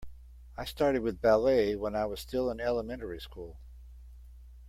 I started with ballet when I was still in elementary school.